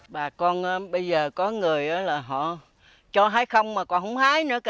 bà con bây giờ có người là họ cho hái không mà còn không hái nữa cả